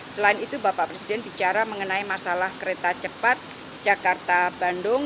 selain itu bapak presiden bicara mengenai masalah kereta cepat jakarta bandung